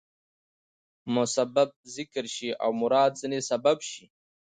مسبب ذکر شي او مراد ځني سبب يي.